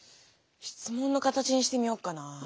質問の形にしてみよっかな。